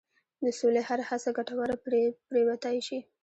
د سولې هره هڅه ګټوره پرېوتای شي.